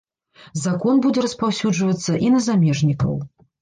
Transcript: Закон будзе распаўсюджвацца і на замежнікаў.